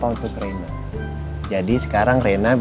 aku juga sayang sama renan